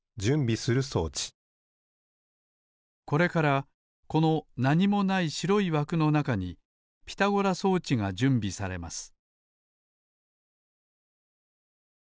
これからこのなにもないしろいわくのなかにピタゴラ装置がじゅんびされます